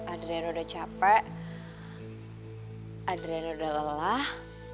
adriana udah capek adriana udah lelah